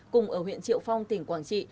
cùng ở huyện triệu phong tỉnh quảng trị